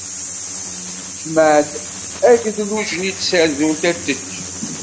Jmeɛ-d aɣedluj-nni i tserdunt ad t-tečč.